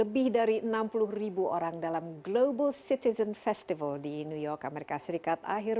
lebih dari enam puluh ribu orang dalam global citizen festival di new york amerika serikat akhir